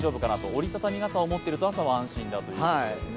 折り畳み傘を持っていると朝は安心だということですね。